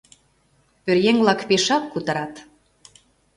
Пӧръеҥ-влак пешак кутырат.